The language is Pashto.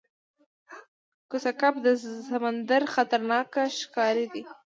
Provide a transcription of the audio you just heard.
کوسه کب د سمندر خطرناک ښکاری دی